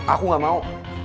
aku gak mau